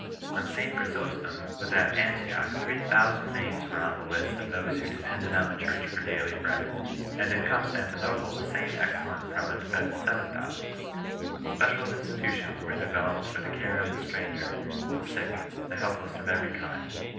When St Chrysostom was at Antioch three thousand names were on the list of those who depended on the Church for daily bread 5 , and in Constantinople the same excellent prelate fed seven thousand. Special insti tutions were developed for the care of the stranger, the sick, the helpless of every kind.